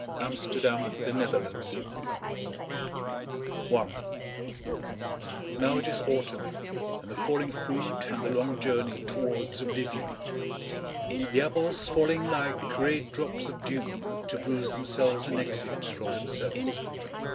Lawrence The Ship of Death I Now it is autumn and the falling fruit and the long journey towards oblivion. The apples falling like great drops of dew to bruise themselves an exit from themselves.